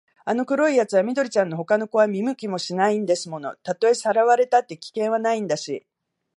あの黒いやつは緑ちゃんのほかの子は見向きもしないんですもの。たとえさらわれたって、危険はないんだし、